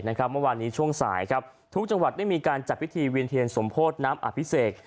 เมื่อวานนี้ช่วงสายทุกจังหวัดได้มีการจัดพิธีเวียนเทียนสมโพธิน้ำอภิเษก